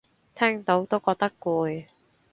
聽到都覺得攰